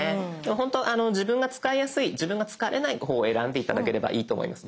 ほんと自分が使いやすい自分が疲れない方を選んで頂ければいいと思います。